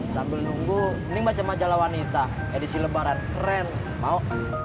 sambil nunggu mending baca majalah wanita edisi lebaran keren mau